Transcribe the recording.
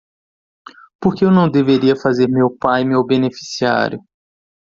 Por que eu não deveria fazer meu pai meu beneficiário?